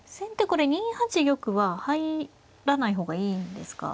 これ２八玉は入らない方がいいんですか。